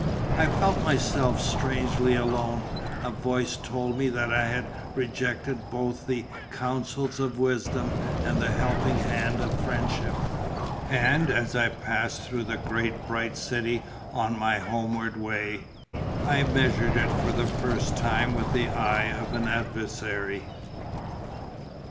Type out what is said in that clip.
I felt myself strangely alone; a voice told me that I had rejected both the counsels of wisdom and the helping hand of friendship; and as I passed through the great bright city on my homeward way, I measured it for the first time with the eye of an adversary.